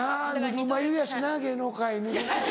ぬるま湯やしな芸能界。